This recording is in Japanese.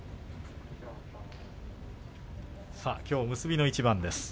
きょう結びの一番です。